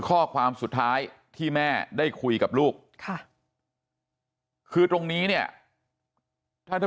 ข้อความสุดท้ายที่แม่ได้คุยกับลูกค่ะคือตรงนี้เนี่ยถ้าท่าน